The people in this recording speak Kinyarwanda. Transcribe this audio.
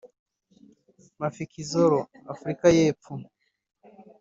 Mafikizolo(Afrika y’epfo)